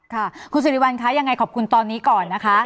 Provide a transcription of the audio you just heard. ค่ะคุณสิริวัลคะยังไงขอบคุณตอนนี้ก่อนนะคะ